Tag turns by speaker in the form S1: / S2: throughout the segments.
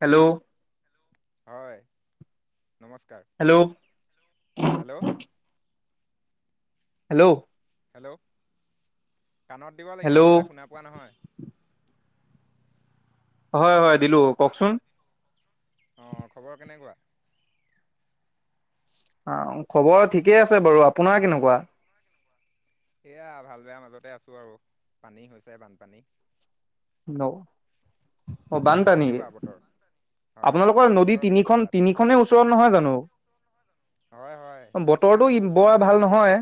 S1: Hello.
S2: হয়, নমস্কাৰ,
S1: hello
S2: hello.
S1: Hello.
S2: Hello, কাণত দিব লাগিব, নহ'লে
S1: হেল্ল'
S2: শুনা পোৱা নহয়।
S1: হয়, হয়, দিলোঁ, কওঁকচোন।
S2: অ', খবৰ কেনেকুৱা?
S1: অ', খবৰ ঠিকেই আছে বাৰু, আপোনাৰ কেনেকুৱা?
S2: এয়া ভাল-বেয়া মাজতে আছোঁ আৰু, পানী হৈছে, বানপানী।
S1: অ',
S2: তাত
S1: বানপানী।
S2: কেনেকুৱা বতৰ হয় হয়
S1: আপোনালোকৰ, নদী,
S2: বতৰ কেনেকুৱা
S1: তিনিখন,
S2: তাত
S1: তিনিখনে ওচৰত নহয় জানোঁ?
S2: হয়, হয়, সেইটো কাৰণে বহুত
S1: বৰ ভাল
S2: সমস্যা, তিনি
S1: নহয়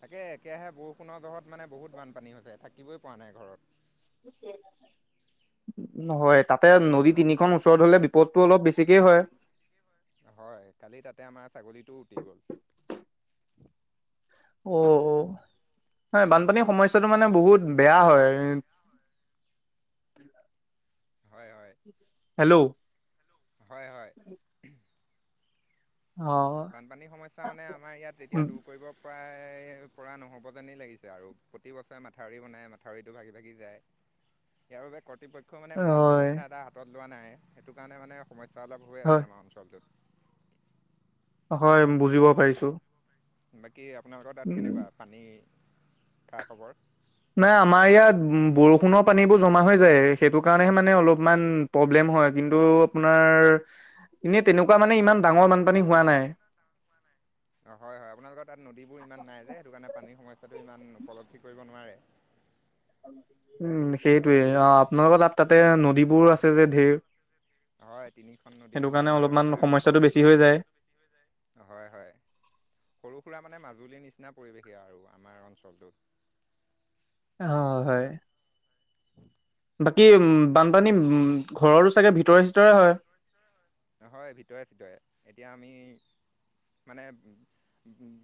S2: তাকে একেৰাহে, বৰষুণৰ জহত মানে বহুত বানপানী হৈছে, থাকিবই পৰা নাই ঘৰত।
S1: [unintelligible] হয়, তাতে
S2: হেল্ল'
S1: নদী তিনিখন ওচৰত হ'লে, বিপদটো অলপ বেছিকেই হয়।
S2: হয়, কালি তাতে আমাৰ ছাগলীটো উটি গ'ল।
S1: অ', অ', হয়, বানপানীৰ সমস্যাটো মানে, বহুত বেয়া হয়।
S2: হয়, হয়।
S1: হেল্ল'।
S2: হয়, হয়।
S1: অ
S2: বানপানীৰ সমস্যা মানে আমাৰ ইয়াত এতিয়া দূৰ কৰিব- প্ৰায় পৰা নহ'ব যেনেই লাগিছে আৰু। প্ৰতি বছৰে মাথাউৰি বনাই, মাথাউৰিটো ভাগি ভাগি যায়। ইয়াৰ বাবে কৰ্তৃপক্ষ- ই মানে ভাল
S1: হয়
S2: ব্যৱস্থা এটা হাতত লোৱা নাই, সেইটো কাৰণে মানে সমস্যা অলপ হৈ
S1: হয়
S2: আছে আমাৰ অঞ্চলটোত।
S1: হয়, বুজিব পাৰিছোঁ।
S2: বাকী আপোনালোকৰ তাত কেনেকুৱা পানী খা- খবৰ?
S1: নাই আমাৰ ইয়াত বৰষুণৰ পানীবোৰ জমা হৈ যায়, সেইটো কাৰণেহে মানে অলপমান- প্ৰব্লেম হয়। কিন্তু আপোনাৰ এনে তেনেকুৱা মানে ইমান ডাঙৰ বানপানী হোৱা নাই।
S2: অঁ, হয়, হয় আপোনালোকৰ তাত নদীবোৰ ইমান নাই যে, সেইটে কাৰণে পানীৰ সমস্যাটো ইমান উপলব্ধি কৰিব নোৱাৰে।
S1: [unintelligible] উম, সেইটোৱে। আপোনালোকৰ তাত, তাতে নদীবোৰ আছে যে ধেৰ।
S2: হয়, তিনিখন নদী মানে আমাৰ
S1: অলপমান
S2: প্ৰায়
S1: সমস্যাটো
S2: ওচৰতে
S1: বেছি
S2: যোৱাৰ
S1: হৈ যায়
S2: নিচিনা হয়, হয়। সৰু সুৰা মানে মাজুলীৰ নিচিনা পৰিৱেশেই আৰু আমাৰ অঞ্চলটোত।
S1: অঁ, হয়।
S2: [unintelligible]
S1: বাকী উম, বানপানী উম, ঘৰৰো চাগে ভিতৰে- চিতৰে হয়!
S2: হয়, ভিতৰে- চিতৰে। এতিয়া আমি মানে-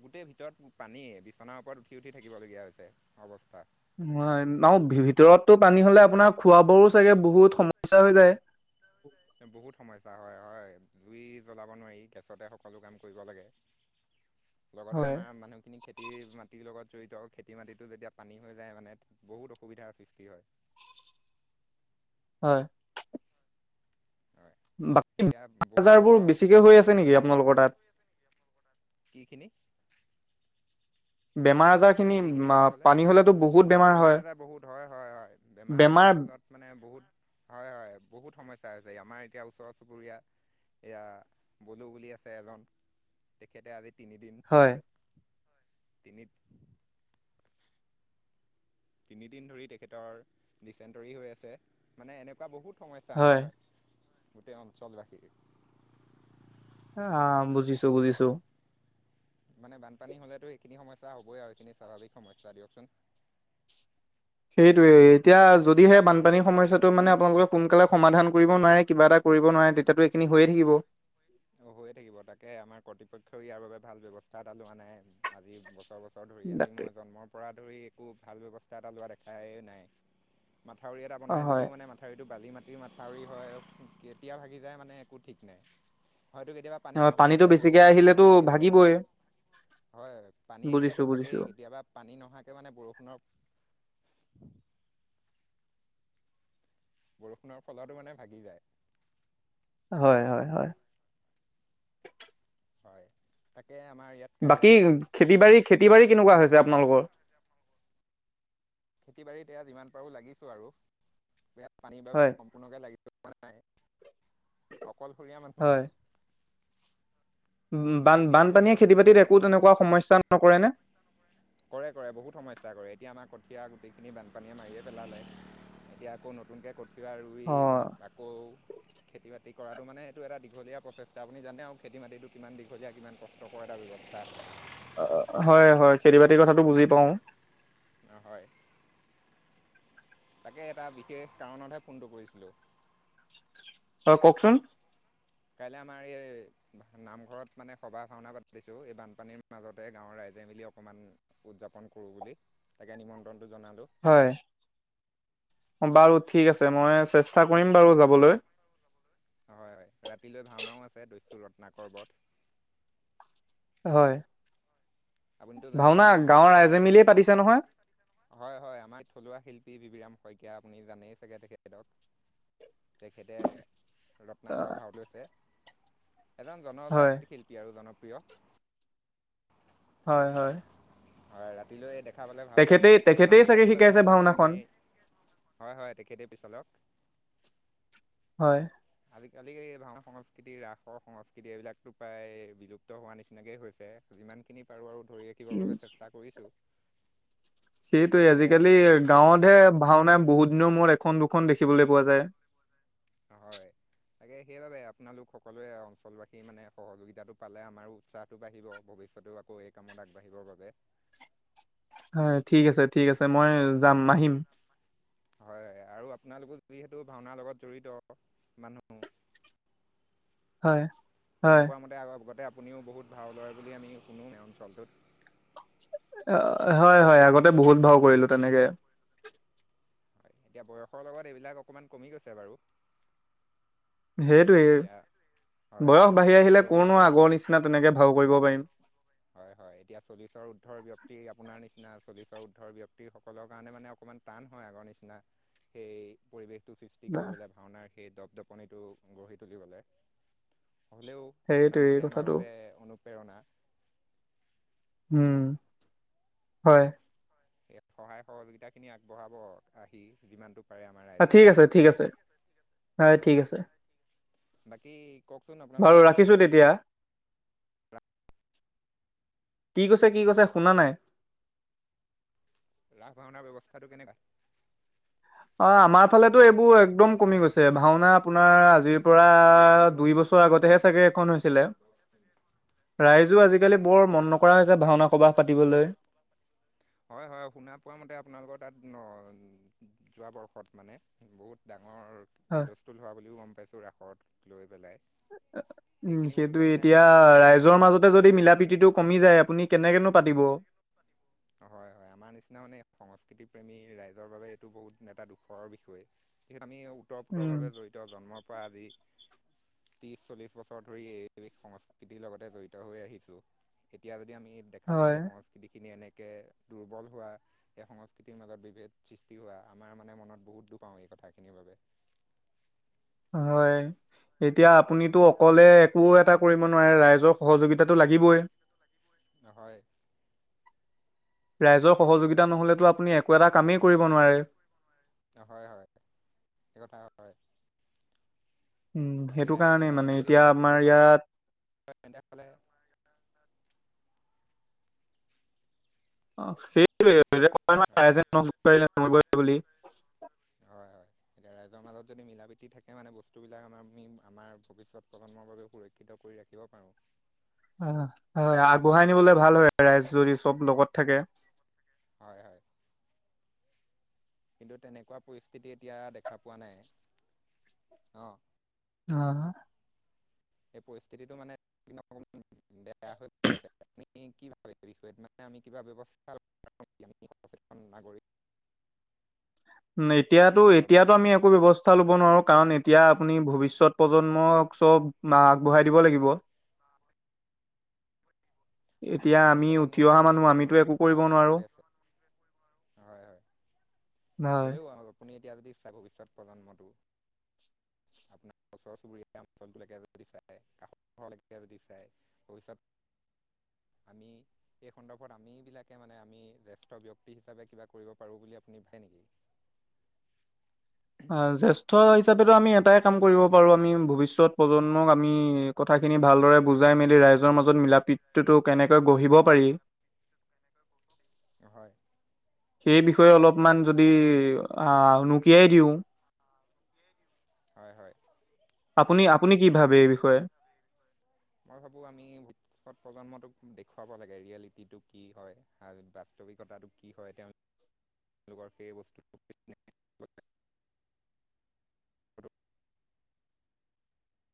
S2: গোটেই ভিতৰত পানীয়ে, বিচনাৰ ওপৰত উঠি -উঠি থাকিবলগীয়া হৈছে অৱস্থা।
S1: নাই, আৰু ভিতৰতটো পানী হ'লে আপোনাৰ খোৱা বোৱাৰো চাগে বহুত সমস্যা হৈ যায়।
S2: বহুত সমস্যা হয়, হয়, জুই জ্বলাব নোৱাৰি, গেছতে সকলো কাম কৰিব লাগে। লগতে
S1: হয়
S2: আমাৰ মানুহখিনিক- খেতি মাটিৰ লগত জড়িত, খেতি মাটিটো যেতিয়া পানী হৈ যায় মানে বহুত অসুবিধাৰ সৃষ্টি হয়।
S1: হয়।
S2: হয়
S1: বাকী
S2: এতিয়া
S1: বেমাৰ
S2: বহুত
S1: -আজাৰবোৰ
S2: বছৰ
S1: বেছিকে হৈ আছে নেকি আপোনালোকৰ তাত?
S2: কি খিনি?
S1: বেমাৰ- আজাৰ খিনি
S2: কিখিনি কথা ক'লে?
S1: পানী হলেতো বহুত
S2: অঁ, বেমাৰ
S1: হয়।
S2: -আজাৰ বহুত হয়, হয়, হয়। বেমাৰ -আজাৰৰ ফলত- মানে বহুত হয়, হয়, বহুত সমস্যা হৈছেহি। আমাৰ এতিয়া ওচৰ চুবুৰীয়া- এইয়া বলো বুলি আছে এজন, তেখেতে আজি তিনি দিন-
S1: হয়।
S2: তিনি- তিনিদিন ধৰি তেখেতৰ ডিচেণ্টৰী হৈ আছে, মানে এনেকুৱা বহুত- সমস্যা
S1: হয়
S2: আমাৰ গোটেই অঞ্চলবাসীৰ।
S1: অঁ, বুজিছো -বুজিছো।
S2: মানে বানপানী হ'লেতো এইখিন সমস্যা হ'বই আৰু, এইখিনি স্বাভাৱ সমস্যা দিয়কচোন।
S1: সেইটোয়েই, এতিয়া যদিহে বানপানীৰ সমস্যাটো মানে আপোনালোকে সোনকালে সমাধান কৰিব নোৱাৰে কিবা এটা- কৰিব নোৱাৰে তেতিয়াতো এইখিনি হৈয়ে থাকিব।
S2: হৈয়ে থাকিব। তাকে আমাৰ কৰ্তৃপক্ষই ইয়াৰ বাবে ভাল ব্যৱস্থা এটা লোৱা নাই। আজি- বছৰ বছৰ ধৰি আজি
S1: তাকে
S2: মই জন্মৰ পৰা ধৰি একো ভাল ব্যৱস্থা এটা লোৱা দেখাই নাই। মাথাউৰি এটা
S1: অ'
S2: বনাই
S1: হয়
S2: যদিও মানে মা- থাউৰিটো বালি মাটিৰ মাথাউৰি হয়, কেতিয়া ভাগি যায় মানে একো ঠিক নাই। হয়তো কেতিয়াবা পানী
S1: অ' পানীটো
S2: নহাকৈ
S1: বেছিকে
S2: বৰষুণৰ
S1: আহিলেতো
S2: ফলতো ভাগি যাব পাৰে।
S1: ভাগিবই
S2: হয়। পানী
S1: বুজিছো
S2: আহিলেতো
S1: বুজিছো
S2: ভাগেই কেতিয়াবা পানী নহোৱাকে মানে বৰষুণৰ- বৰষুণৰ ফলটো মানে ভাগি যায়।
S1: হয়, হয়, হয়।
S2: হয়, তাকে আমাৰ ইয়াত কাইলৈ
S1: বাকী খেতি বাৰী খেতি বাৰী কেনেকুৱা হৈছে আপোনালোকৰ?
S2: খেতি বাৰীত এইয়া যিমান পাৰোঁ লাগিছোঁ আৰু ইয়াত পানী বাৰু
S1: হয়
S2: সম্পূৰ্ণকৈ লাগিব পৰা নাই। অকলশৰীয়া মানুহ।
S1: হয় বান
S2: যিমানখিনি পাৰো
S1: বানপানীয়ে
S2: লাগিছো
S1: খেতি বাতিত
S2: তাক
S1: একো তেনেকুৱা সমস্যা নকৰে নে?
S2: কৰে কৰে বহুত সমস্যা কৰে, এতিয়া আমাৰ কঠীয়া গুটেইখিনি বানপানীয়ে মাৰিয়ে পেলালে। এতিয়া আকৌ নতুনকৈ কঠিয়া ৰুই বান
S1: অ'
S2: আকৌ খেতি বাতি কৰাটো মানে এইটো এটা দীঘলীয়া প্ৰচেষ্টা। আপুনি জনে আও খেতি মাটিটো কিমান দীঘলীয়া কিমান কষ্টকৰ এটা ব্যৱস্থা।
S1: অ' হয়, হয় খেতি বাতিৰ কথাটো বুজি পাওঁ।
S2: অ' হয়। তাকে এটা বিশেষ কাৰণতহে ফোনটো কৰিছিলোঁ।
S1: হয়, কওঁকচোন?
S2: কাইলে আমাৰ এই নামঘৰত মানে সবাহ ভাওনা পাতিছোঁ এই বানপানীৰ মাজতে গাঁৱৰ ৰাইজে মিলি অকণমান উদযাপন কৰোঁ বুলি, তাকে নিমন্ত্ৰণটো জনালোঁ।
S1: হয়, বাৰু ঠিক আছে মই চেষ্টা কৰিম বাৰু যাবলৈ।
S2: হয়, হয় ৰাতিলৈ ভাওনাও আছে দৈচ্যু ৰত্নাকৰ বধ।
S1: হয়।
S2: আপুনিতো জানেই
S1: ভাওনা
S2: আমাৰ
S1: গাঁৱৰ
S2: অঞ্চলৰ
S1: ৰাইজে মিলিয়ে পাতিছে নহয়
S2: হয়, হয় আমাৰ থলুৱা শিল্পী বিবিৰাম শইকীয়া, আপুনি জানেই চাগে তেখেতক। তেখেতে ৰত্নাকৰ ভাও লৈছে এজন
S1: হয়
S2: জনজাত শিল্পী আৰু জনপ্ৰিয়
S1: হয়, হয়।
S2: হয়, ৰাতিলৈ দেখা পালে ভাল পাম।
S1: তেখেতেই তেখেতেই
S2: ভাওনা
S1: চাগে
S2: বিলাকতো
S1: শিকাইছে
S2: আজিকালি আগৰ নিচিনা
S1: ভাওনাখন
S2: নায়েই। হয়, হয় তেখেতে পিছলক।
S1: হয়।
S2: আজিকালি এই ভাওনা সংস্কৃতি ৰাসৰ সংস্কৃতি এইবিলাকতো প্ৰায় বিলুপ্ ত হোৱা নিচিনাকেই হৈছে, যিমানখিনি পাৰোঁ আৰু ধৰি ৰাখিবৰ
S1: উম
S2: বাবে চেষ্টা কৰিছোঁ।
S1: সেইটোৱেই,
S2: তাকে
S1: আজিকালি
S2: আপোনালোক
S1: গাঁৱতহে ভাওনা বহুত দিনৰ মূৰত এখন দুখন দেখিবলৈ পোৱা যায়।
S2: হয়, তাকে সেইবাবে আপোনালোক সকলোৱে অঞ্চলবাসীৰ মানে সহযোগিতাটো পালে আমাৰো উৎসাহটো বাঢ়িব ভৱিষ্যতেও আকৌ এই কামত আগবাঢ়িবৰ বাবে।
S1: হয়, ঠিক আছে ঠিক আছে মই যাম আহিম।
S2: হয়, আৰু আপোনালোকো যিহেতু ভাওনাৰ লগত জড়িত মানুহ
S1: হয়।
S2: শুনা
S1: হয়
S2: পোৱা মতে আগতে আপুনিও বহুত ভাও লয় বুলি আমি শুনো এই অঞ্চলটোত।
S1: হয় হয় আগতে বহুত ভাও কৰিলো তেনেকে
S2: এতিয়া বয়সৰ লগত এইবিলাক অকণমান কমি গৈছে বাৰু
S1: সেইটোৱেই
S2: এতিয়া হয়
S1: বয়স বাঢ়ি আহিলে কনো
S2: চল্লিছৰ
S1: আগৰ নিচিনা তেনেকে ভাও কৰিব পাৰিম
S2: হয় হয় এতিয়া চল্লিছৰ উৰ্দ্ধৰ ব্যক্তি আপোনাৰ নিচিনা চল্লিছৰ উৰ্দ্ধৰ ব্যক্তিসকলৰ কাৰণে মানে অকণমান টান হয় আগৰ নিচিনা সেই পৰিবেশটো সৃষ টি কৰিবলৈ ভাওনাৰ সেই দপদপনিটো গঢ়ি তুলিবলে হ'লেও
S1: সেইটোৱে
S2: আপোনালোকে আমাৰ
S1: কথাটো
S2: বাবে অনুপ্ৰেৰণা
S1: উম হয়
S2: এ সহায় সহযোগিতাখিনি আগবঢ়াব আহি যিমানটো পাৰে আমাৰ
S1: অ ঠিক
S2: ৰাইজক
S1: আছে, ঠিক আছে,
S2: [unintelligible]
S1: ঠিক
S2: হয়
S1: আছে।
S2: বাকী, কওঁকচোন?
S1: বাৰু
S2: আপোনালোকৰ তাত
S1: ৰাখিছোঁ তেতিয়া। কি কৈছে-কি কৈছে? শুনা নাই।
S2: ৰাস, ভাওনাৰ ব্যৱস্থাটো কেনেকুৱা?
S1: অ'! আমাৰ ফালেতো, এইবোৰ এ একদম কমি গৈছে! ভাওনা আপোনাৰ, আজিৰ পৰা, দুই বছৰ আগতেহে চাগে এখন হৈছিলে। ৰাইজো আজিকালি, বৰ মন নকৰা হৈছে, ভাওনা ক'ৰবাত পাতিবলৈ।
S2: [inaudible] হয়, হয়, শুনা পোৱা মতে, আপোনালোকৰ তাত, যোৱা বৰ্ষত মানে, বহুত ডাঙৰ
S1: হয়,
S2: হুলস্থুল চ্ছওহোৱা বুলিও গম পাইছোঁ ৰাসত লৈ পেলাই
S1: উম
S2: এইখিনি
S1: সেইটো
S2: বস্তুৱে মানে
S1: এতিয়া,
S2: আমাৰ নিচিনা এতিয়া
S1: ৰাইজৰ মাজতে যদি, মিলা- প্ৰীতিটো কমি যায়, আপুনি কেনেকেনো পাতিব?
S2: হয়, হয়! আমাৰ নিচিনা মানে, সংস্কৃতি প্ৰেমী ৰাইজৰ বাবে, এইটো বহুত এটা দুখৰৰ বিষয়। আমি,
S1: উম,
S2: ওতপ্ৰোতভাৱে জড়িত, জন্মৰ পৰা আজি। ত্ৰিছ-চল্লিশ বছৰ ধৰি, এই সংস্কৃতিৰ লগতে জড়িত হৈ আহিছোঁ। এতিয়া যদি আমি, দেখা পাওঁ!
S1: হয়,
S2: এই, সংস্কৃতিখিনি এনেকে দুৰ্বল হোৱা। এই, সংস্কৃতিৰ মাজত বিভেদ সৃষ্টি হোৱা। আমাৰ মানে, মনত বহুত দুখ পাওঁ! এই কথাখিনিৰ বাবে।
S1: হয়! এতিয়া, আপুনিতো অকলে একো এটা কৰিব নোৱাৰে? ৰাইজৰ সহযোগিতা [unintelligible] লাগিবই।
S2: হয়!
S1: ৰাইজৰ সহযোগিতা নহ'লেতো, আপুনি একো এটা কামেই কৰিব নোৱাৰে?
S2: হয়, হয়! এই কথা হয়।
S1: উম
S2: বাকী,
S1: সেইটো
S2: ৰাইজৰ
S1: কাৰণেই মানে
S2: মাজত যদি,
S1: এতিয়া আমাৰ
S2: মিলা-প্ৰীতি
S1: ইয়াত
S2: হয়। তেনেহ'লে,
S1: অ' সেইটোৱে। [unintelligible] কয় ন'!
S2: হয়
S1: ৰাইজে নখ জোকাৰিলে নৈ বৈ বুলি।
S2: হয়, হয়! এতিয়া, ৰাইজৰ মাজত যদি মিলা-প্ৰীতি থাকে মানে। বস্তুবিলাক আমাৰ, আমি আমাৰ, ভৱিষ্যত প্ৰজন্মৰ বাবে সুৰ ক্ষিত কৰি ৰাখিব পাৰোঁ।
S1: অ' হয়! আগবঢ়াই নিবলৈ ভাল হয়, ৰাইজ যদি চব লগত থাকে।
S2: হয়, হয়। কিন্তু, তেনেকুৱা পৰিস্থিতি এতিয়া, দেখা পোৱা নাই। অ'!
S1: [unintelligible]
S2: এই পৰিস্থিতিটো মানে, [unintelligible] বেয়া হৈ গৈ আছে। আপুনি কি ভাবে, এই বিষয়ত মানে, আমি কিবা ব্যৱস্থা [unintelligible] [unintelligible] নাগৰিক।
S1: এতিয়াতো, এতিয়াতো আমি একো ব্যৱস্থা ল'ব নোৱাৰোঁ। কাৰণ, এতিয়া আপুনি ভৱিষ্যত প্ৰজন্মক চব বা আগবঢ়াই দিব লাগিব। এতিয়া
S2: ভৱিষ্যত
S1: আমি
S2: প্ৰজন্ম
S1: উঠি
S2: মানে,
S1: অহা
S2: এতিয়া
S1: মানুহ আমিতো
S2: বৰ্তমানে
S1: একো
S2: বহুত
S1: কৰিব
S2: বেয়া ৰাস্তাদি
S1: নোৱাৰো
S2: গৈ আছে! হয়, হয়!
S1: হয়
S2: হ'লেও [unintelligible] আপুনি এতিয়া যদি, [unintelligible] ভৱিষ্যত প্ৰজন্মটো আপোনাৰ ওচৰ-চুবুৰীয়া অঞ্চলটোলৈকে যদি চায়, [unintelligible] যদি চায়! ভৱিষ্যত আমি, এই সন্দৰ্ভত, আমি বিলাকে মানে, আমি জেষ্ঠ ব্যক্তি হিচাপে, কিবা কৰিব পাৰোঁ বুলি, আপুনি ভাবে নেকি?
S1: আঁ জ্যেষ্ঠ হিচাপেতো, আমি এটাই কাম কৰিব পাৰোঁ, আমি ভৱিষ্যত প্ৰজন্মক আমি, কথাখিনি ভালদৰে বুজাই মেলি, ৰাইজৰ মাজত মিলা-প্ৰীতিটো কেনেকৈ গঢ়িব পাৰি।
S2: হয়!
S1: সেই বিষয়ে অলপমান যদি, আঁ উনুকিয়াই দিওঁ!
S2: হয়, হয়।
S1: আপুনি, আপুনি কি ভাবে এই বিষয়ে?
S2: [inaudible] মই ভাবো আমি ভৱিষ্যত প্ৰজন্মটোক দেখুৱাব লাগে ৰিয়েলিটিটো কি হয়। আৰু বাস্তৱিকতাটো কি হয় তেওঁ [inaudible] সেই বস্তু [inaudible]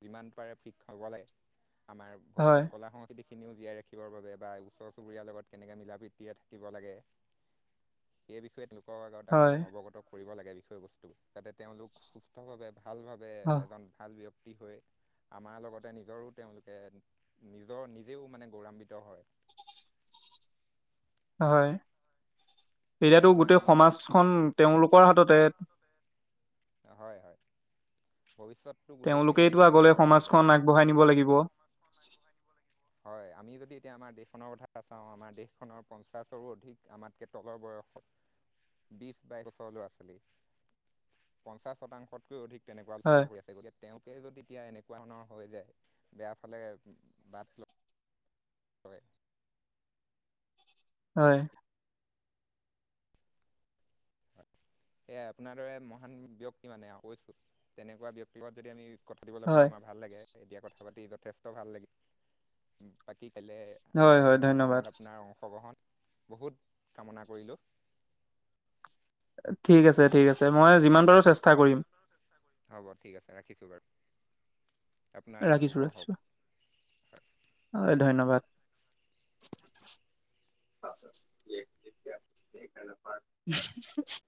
S2: যিমান পাৰে ফিক হ'বলৈ আমাৰ
S1: হয়
S2: [inaudible] কলা সংস্কৃতিক খিনিও জীয়াই ৰাখিবৰ বাবে বা ওচৰ চুবুৰীয়াৰ লগত কেনেকে মিলা প্ৰিতিৰে থাকিব লাগে। সেই বিষয়ে লোকৰ আগত আমি
S1: হয়
S2: অৱগত কৰিব লাগে বিষয়বস্তু যাতে তেওঁলোক সুস্থ ভাৱে ভাল ভাৱে
S1: হয়
S2: এজন ভাল ব্যক্তি [unintelligible] হৈ আমাৰ লগতে নিজৰো তেওঁলোকে নিজৰ নিজেও মানে গৌৰৱান্বিত হয়।
S1: হয়,
S2: হয়
S1: এতিয়াতো
S2: মই
S1: গোটেই সমাজখন
S2: মোৰ
S1: তেওঁলোকৰ হাততে।
S2: হয়, হয় ভৱিষ্যত
S1: তেওঁলোকেই টো আগলৈ সমাজখন আগবঢ়াই নিব লাগিব।
S2: হয় আমি যদি এতিয়া আমাৰ দেশখনৰ কথা চাওঁ আমাৰ দেশখনৰ পঞ্চাছৰো অধিক আমাৰ কে তলৰ বয়সত বিছ বাইছ বছৰ ল'ৰা ছোৱালী পঞ্চাশ শতাংশতকৈ অধিক তেনেকোৱা
S1: হয়
S2: [unintelligible] ভৰি আছে গতিকে তেওঁ যদি এতিয়া এনেকুৱা ধৰণৰ হৈ যায় বেয়া ফালে বাট [inaudible]
S1: হয়।
S2: সেয়াই আপোনাৰ দৰে মহান ব্যক্তি মানে [unintelligible] কৈছো তেনেকুৱা ব্যক্তি লগত যদি আমি কথা পাতিবলৈ পাওঁ
S1: হয়
S2: আমাৰ ভাল লাগে এতিয়া কথা পাতি যথেষ্ট ভাল লাগে বাকী কাইলে
S1: হয়
S2: আমাৰ এই
S1: হয় ধন্যবাদ
S2: সভাখনত আপোনাৰ অংশগ্ৰহণ বহুত কামনা কৰিলোঁ।
S1: ঠিক আছে, ঠিক আছে মই যিমান পাৰো চেষ্টা কৰিম
S2: হ'ব ঠিক আছে ৰাখিছোঁ বাৰু, আপোনাৰ দিন
S1: ৰাখিছো
S2: শুভ
S1: ৰাখিছো
S2: হওঁক।
S1: হয় ধন্যবাদ। [inaudible]